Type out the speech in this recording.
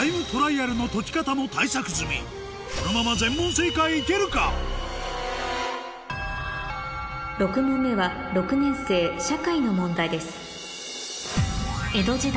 このまま６問目は６年生社会の問題です